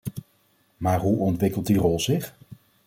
Maar hoe ontwikkelt die rol zich?